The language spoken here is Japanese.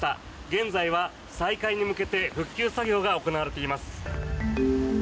現在は再開に向けて復旧作業が行われています。